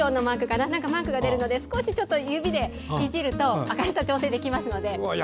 なんかマークが出るので少し指でいじると明るさ調整できますので。